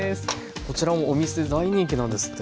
こちらもお店で大人気なんですって？